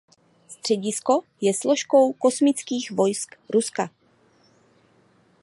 Středisko je složkou Kosmických vojsk Ruska.